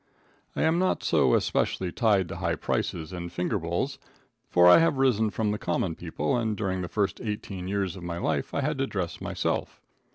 I am not so especially tied to high prices and finger bowls, for I have risen from the common people, and during the first eighteen years of my life I had to dress myself.